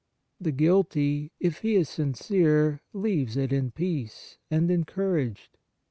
The guilty, if he is sincere, leaves it in peace, and encouraged.